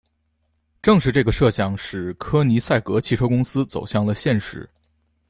正是这个设想使柯尼塞格汽车公司走向了现实。